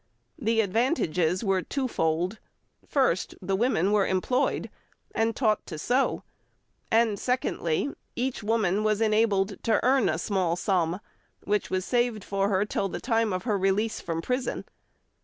The advantages were twofold. First, the women were employed and taught to sew, and secondly, each woman was enabled to earn a small sum, which was saved for her till the time of her release from prison.